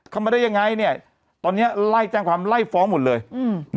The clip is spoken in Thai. เข้ามาได้ยังไงเนี่ยตอนเนี้ยไล่แจ้งความไล่ฟ้องหมดเลยอืม